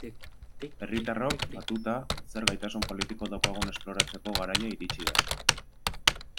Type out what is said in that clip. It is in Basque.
Herritarrok, batuta, zer gaitasun politiko daukagun esploratzeko garaia iritsi da.